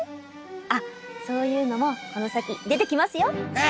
あそういうのもこの先出てきますよ！ヘえ！